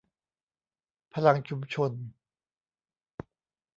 พลังชุมชน